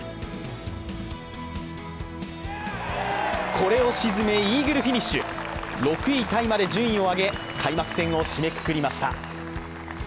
これを沈め、イーグルフィニッシュ６位タイまで順位を上げ、開幕戦を締めくくりました。